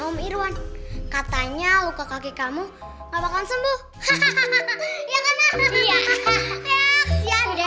om irwan katanya luka kaki kamu ngapain sembuh hahaha ya kan hahaha ya udah